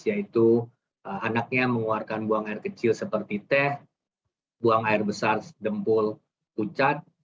yaitu anaknya mengeluarkan buang air kecil seperti teh buang air besar dempul pucat